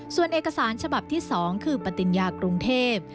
ส่วนเอกสารฉบับที่๒คือปฏิญญากรุงเทพ